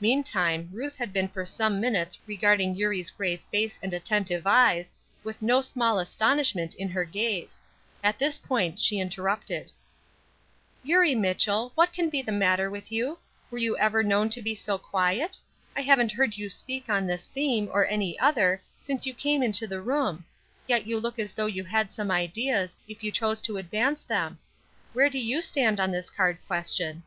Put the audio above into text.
Meantime Ruth had been for some minutes regarding Eurie's grave face and attentive eyes, with no small astonishment in her gaze. At this point she interrupted: "Eurie Mitchell, what can be the matter with you? were you ever known to be so quiet? I haven't heard you speak on this theme, or any other, since you came into the room; yet you look as though you had some ideas, if you chose to advance them. Where do you stand on this card question?"